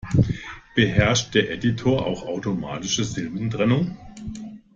Beherrscht der Editor auch automatische Silbentrennung?